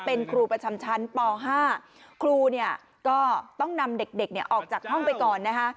เป็นครูประจำชั้นป๕ครูเนี่ยก็ต้องนำเด็กเนี่ยออกจากห้องไปก่อนนะคะ